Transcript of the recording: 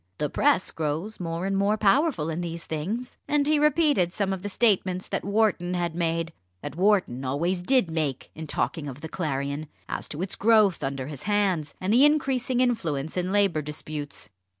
The press grows more and more powerful in these things." And he repeated some of the statements that Wharton had made that Wharton always did make, in talking of the Clarion as to its growth under his hands, and increasing influence in Labour disputes.